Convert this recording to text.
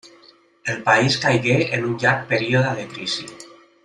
El país caigué en un llarg període de crisi.